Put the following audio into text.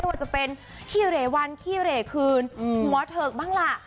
ว่าจะเป็นขี้เหลวันขี้เหลคืนหัวเถิกบ้างล่ะ